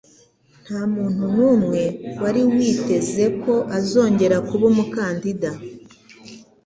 Ntamuntu numwe wari witeze ko azongera kuba umukandida.